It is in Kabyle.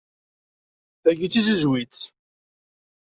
Tagi d tizizwit.